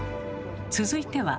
続いては。